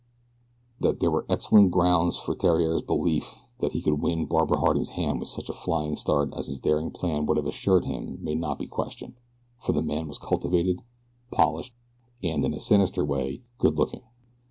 That there were excellent grounds for Theriere's belief that he could win Barbara Harding's hand with such a flying start as his daring plan would have assured him may not be questioned, for the man was cultivated, polished and, in a sinister way, good looking.